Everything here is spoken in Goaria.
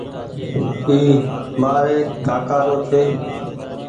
اي مآري ڪآڪآ رو ڇي۔